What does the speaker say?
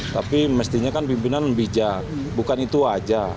tapi mestinya kan pimpinan lebih jahat bukan itu aja